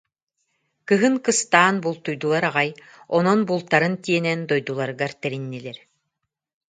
Кыһын кыстаан бултуйдулар аҕай, онон бултарын тиэнэн дойдуларыгар тэриннилэр